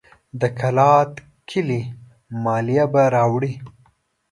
د کلات کلي مالیه به راوړي.